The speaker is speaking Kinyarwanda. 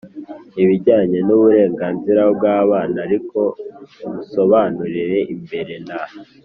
ibijyanye n'uburenganzira bw'abana. ariko munsobanurire mbere na